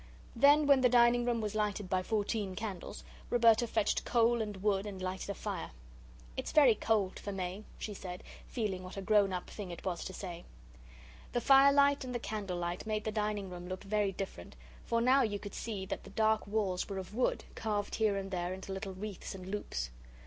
Then, when the dining room was lighted by fourteen candles, Roberta fetched coal and wood and lighted a fire. "It's very cold for May," she said, feeling what a grown up thing it was to say. The fire light and the candle light made the dining room look very different, for now you could see that the dark walls were of wood, carved here and there into little wreaths and loops.